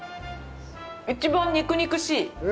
一番肉々しい。